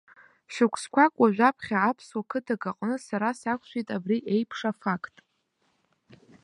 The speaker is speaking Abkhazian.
Шықәсқәак уажәаԥхьа аԥсуа қыҭак аҟны сара сақәшәеит абри еиԥш афақт.